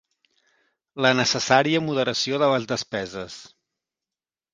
La necessària moderació de les despeses.